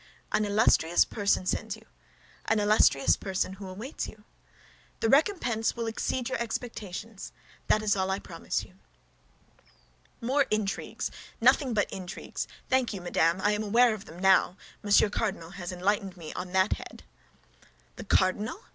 "An illustrious person sends you; an illustrious person awaits you. The recompense will exceed your expectations; that is all I promise you." "More intrigues! Nothing but intrigues! Thank you, madame, I am aware of them now; Monsieur Cardinal has enlightened me on that head." "The cardinal?"